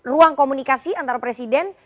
ruang komunikasi antara presiden